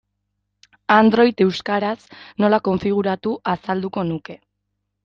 Android euskaraz nola konfiguratu azalduko nuke.